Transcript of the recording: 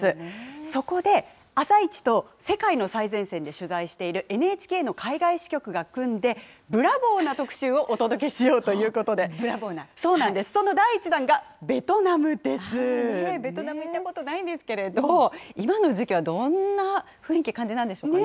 そこで、あさイチと世界の最前線で取材しているＮＨＫの海外支局が組んで、ブラボーな特集をお届けしようということで、その第１ベトナム、行ったことないんですけれども、今の時期はどんな雰囲気、感じなんでしょうかね。